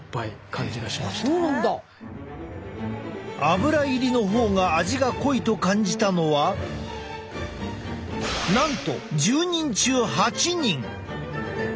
アブラ入りの方が味が濃いと感じたのはなんと１０人中８人！